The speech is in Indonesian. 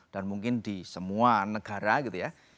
dan mungkin di semua negara gitu ya